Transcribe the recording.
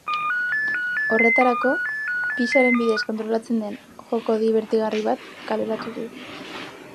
Horretarako, pixaren bidez kontrolatzen den joko dibertigarri bat kaleratu du.